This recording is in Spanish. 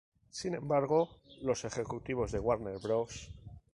Sin embargo, los ejecutivos de Warner Bros.